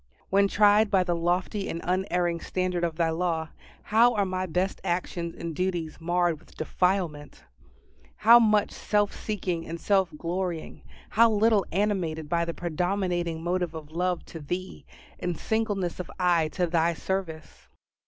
When tried by the lofty and unerring standard of Thy law, how are my best actions and duties marred with defilement! How much self seeking and self glorying how little animated by the predominating motive of love to Thee, and singleness of eye to Thy service!